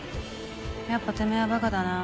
やっぱてめぇはバカだな。